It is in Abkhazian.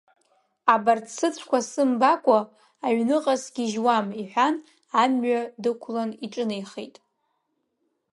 Абарҭ сыцәқәа сымбакәа аҩныҟа сгьыжьуам, — иҳәан, амҩа дықәлан иҿынеихеит.